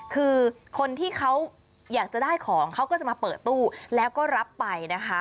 คือคนที่เขาอยากจะได้ของเขาก็จะมาเปิดตู้แล้วก็รับไปนะคะ